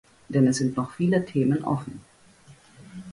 Denn es sind noch viele Themen offen.